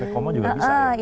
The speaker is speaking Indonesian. sampai koma juga bisa ya